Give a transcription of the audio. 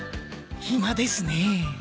暇ですね。